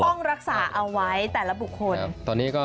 ต้องรักษาเอาไว้แต่ละบุคคล